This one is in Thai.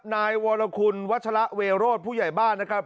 นายวรคุณวัชละเวโรธผู้ใหญ่บ้านนะครับ